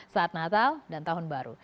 saat natal dan tahun baru